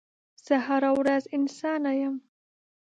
زه هره ورځ انسانه یم